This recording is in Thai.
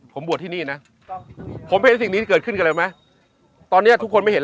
ผมบวชที่นี่นะผมเห็นสิ่งนี้เกิดขึ้นกับอะไรรู้ไหมตอนนี้ทุกคนไม่เห็น